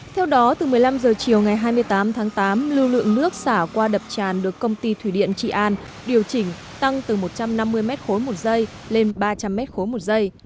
theo đó từ một mươi năm h chiều ngày hai mươi tám tháng tám lưu lượng nước xả qua đập tràn được công ty thủy điện trị an điều chỉnh tăng từ một trăm năm mươi m ba một giây lên ba trăm linh m ba một giây